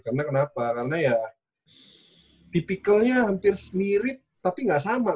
karena kenapa karena ya tipikalnya hampir mirip tapi gak sama